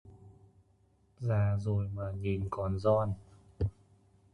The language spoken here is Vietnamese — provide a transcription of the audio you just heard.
Già rồi mà nhìn còn don